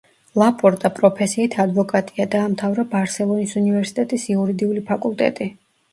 ლაპორტა პროფესიით ადვოკატია, დაამთავრა ბარსელონის უნივერსიტეტის იურიდიული ფაკულტეტი.